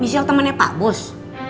michelle temannya pak bos